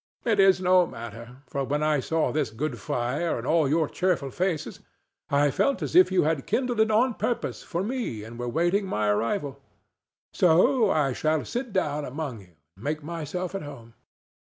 It is no matter; for when I saw this good fire and all your cheerful faces, I felt as if you had kindled it on purpose for me and were waiting my arrival. So I shall sit down among you and make myself at home."